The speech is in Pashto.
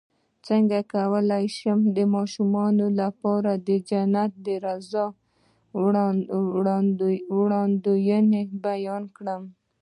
څنګه کولی شم د ماشومانو لپاره د جنت د رضا وړاندې بیان کړم